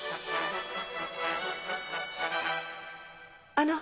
あの？